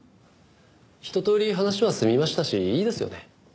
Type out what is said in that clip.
ひととおり話は済みましたしいいですよね？